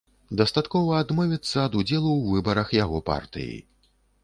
Дастаткова адмовіцца ад удзелу ў выбарах яго партыі.